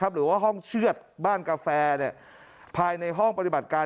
หรือว่าห้องเชือดบ้านกาแฟภายในห้องปฏิบัติการ